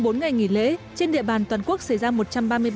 trong bốn ngày nghỉ lễ trên địa bàn toàn quốc xảy ra một trăm ba mươi ba vụn